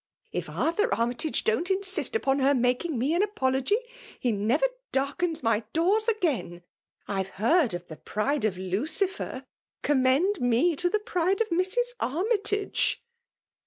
''If Arthur Armytage don't insist upon her making me an apology. he never darkens my doors again 1 I've heard of the pride of JjucifieT: commend me ioAe pride of Mrs. Armytage